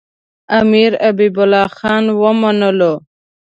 امیر حبیب الله خان ومنلو.